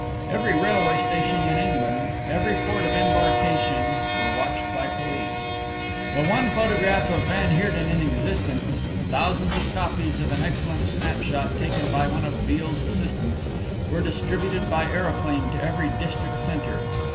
Every railway station in England, every port of embarkation, were watched by police. The one photograph of van Heerden in existence, thousands of copies of an excellent snapshot taken by one of Beale's assistants, were distributed by aeroplane to every district centre.